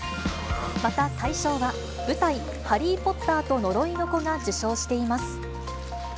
また大賞は、舞台、ハリー・ポッターと呪いの子が受賞しています。